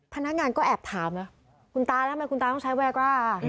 พนักงานก็แอบถามนะคุณตาแล้วทำไมคุณตาต้องใช้แวก้า